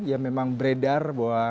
yang memang beredar bahwa